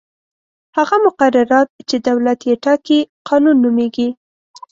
هغه مقررات چې دولت یې ټاکي قانون نومیږي.